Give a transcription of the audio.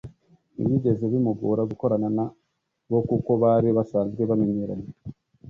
ntibyigeze bimugora gukorana na bo kuko bari basanzwe bamenyeranye